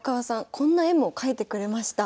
こんな絵も描いてくれました。